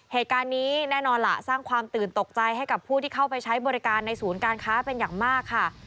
เหตุการณ์นี้แน่นอนล่ะสร้างความตื่นตกใจให้กับผู้ที่เข้าไปใช้บริการในศูนย์การค้าเป็นอย่างมากค่ะ